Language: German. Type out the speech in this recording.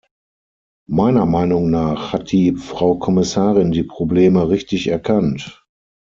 Meiner Meinung nach hat die Frau Kommissarin die Probleme richtig erkannt.